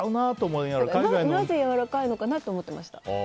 なぜやわらかいのかなと思ってました。